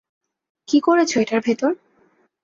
কী করেছ এটার ভেতর?